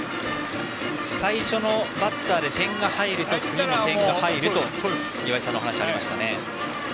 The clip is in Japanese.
最初のバッターで点が入ると次の点が入ると岩井さんのお話がありました。